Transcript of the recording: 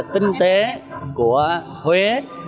tinh tế của huế